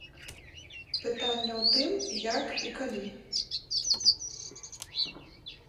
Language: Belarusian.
Пытанне ў тым, як і калі.